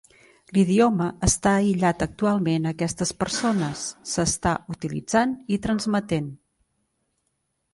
L'idioma està aïllat actualment a aquestes persones, s'està utilitzant i transmetent.